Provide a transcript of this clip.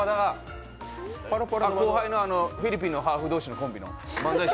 後輩のフィリピンのハーフ同士のコンビの。